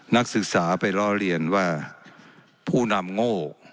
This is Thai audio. นักศึกษาไปล้อเรียนว่าผู้นำโง่